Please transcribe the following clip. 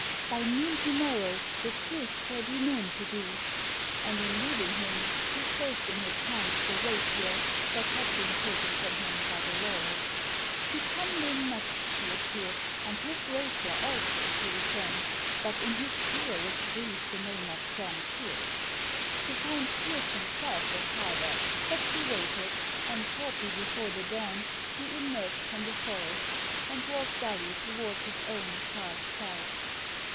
"By noon to morrow the truth shall be shown to thee." And in leaving him she placed in his hands the rapier that had been taken from him by Dolores. To Tomlin next she appeared, and his rapier also she returned; but in his ear was breathed the name of John Pearse. To find Pearse himself was harder; but she waited, and shortly before the dawn he emerged from the forest and walked dully toward his own charred cell.